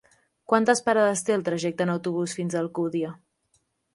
Quantes parades té el trajecte en autobús fins a Alcúdia?